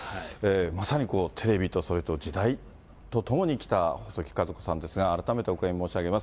まさにテレビと、それと時代と共に生きた細木数子さんですが、改めてお悔やみ申し上げます。